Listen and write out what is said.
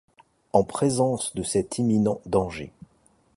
En présence de cet imminent danger